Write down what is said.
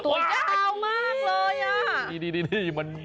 โอ้โหตัวเจ้ามักเลย